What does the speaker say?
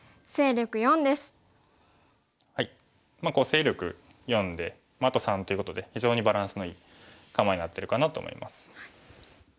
勢力４であと３ということで非常にバランスのいい構えになってるかなと思います。